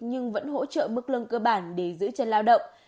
nhưng vẫn hỗ trợ mức lương cơ bản để giữ chân lao động